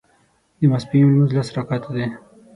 د ماسپښين لمونځ لس رکعته دی